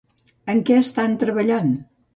En què estan treballant?